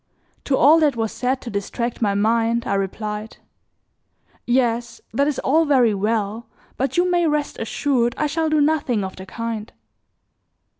To all that was said to distract my mind I replied: "Yes, that is all very well, but you may rest assured I shall do nothing of the kind."